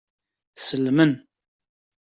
Sellmen.